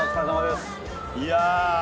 いや。